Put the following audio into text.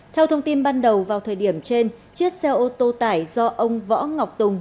theo thông tin ban đầu vào thời điểm trên chiếc xe ô tô tải do ông võ ngọc tùng